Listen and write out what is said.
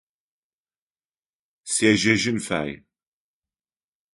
Сежьэжьын фае.